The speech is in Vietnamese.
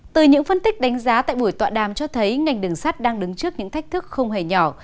từ những phân tích đánh giá tại buổi tọa đàm cho thấy ngành đường sắt đang đứng trước những thách thức không hề nhỏ